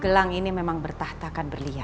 gelang ini memang bertahtakan berlian